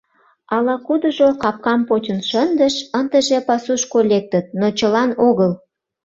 Ала-кудыжо капкам почын шындыш, ындыже пасушко лектыт, но чылан огыл.